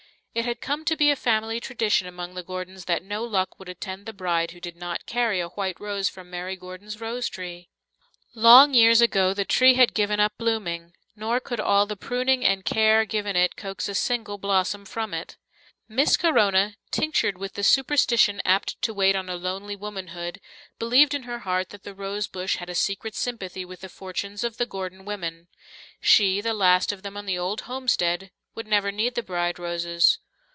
It had come to be a family tradition among the Gordons that no luck would attend the bride who did not carry a white rose from Mary Gordon's rose tree. Long years ago the tree had given up blooming, nor could all the pruning and care given it coax a single blossom from it. Miss Corona, tinctured with the superstition apt to wait on a lonely womanhood, believed in her heart that the rosebush had a secret sympathy with the fortunes of the Gordon women. She, the last of them on the old homestead, would never need the bride roses.